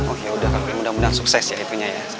oh ya udah kamu mudah mudahan sukses ya itunya ya